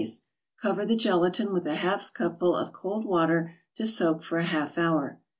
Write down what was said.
Cover the gelatin with a half cupful of cold water to soak for a half hour.